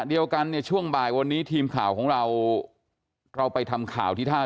เดียวกันเนี่ยช่วงบ่ายวันนี้ทีมข่าวของเราเราไปทำข่าวที่ท่า